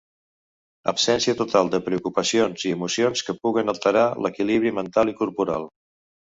Absència total de preocupacions i emocions que puguen alterar l'equilibri mental i corporal.